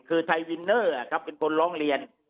คือไทยวินเนอร์เป็นคนร้องเรียน